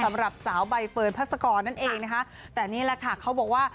สำหรับสาวใบเฟิร์นพัศกรนั่นเองนะคะแต่นี่แหละค่ะเขาบอกว่า